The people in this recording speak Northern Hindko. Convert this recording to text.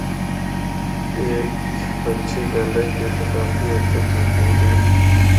اے ہک ہچھی گل ہے کہ اِتھا کافی ہد تک محفوظ ہن۔